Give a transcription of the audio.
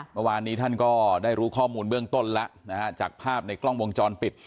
เมื่อวานนี้ท่านก็ได้รู้ข้อมูลเบื้องต้นแล้วนะฮะจากภาพในกล้องวงจรปิด